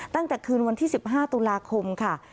ตั้งแต่คืนวันที่๑๕ตุลาคมค่ะ